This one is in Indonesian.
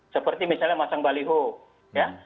seperti misalnya masang baliho ya